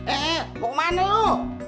eh eh mau ke mana lu